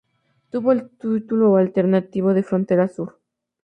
Tuvo el título alternativo de "Frontera Sur".